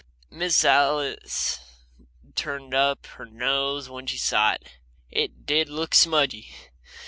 Miss Alice turned up her nose when she saw it. It did look smudgy.